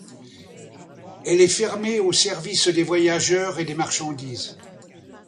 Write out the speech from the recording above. Elle est fermée aux services des voyageurs et des marchandises.